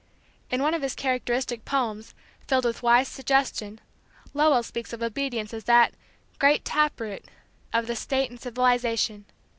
In one of his characteristic poems, filled with wise suggestion, Lowell speaks of obedience as that "great tap root" of the state and civilization.